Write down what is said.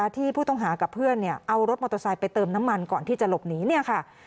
ที่ผู้ต้องหากับเพื่อนเอารถมอเตอร์ไซค์ไปเติมน้ำมันก่อนที่จะหลบหนีเนี่ยค่ะ